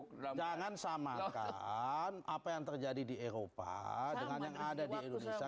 jangan samakan apa yang terjadi di eropa dengan yang ada di indonesia